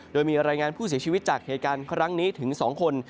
โดยมีรายงานผู้เสียชีวิตจากเหตุการณ์ครั้งนี้ถึง๒คน